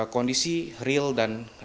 kondisi real dan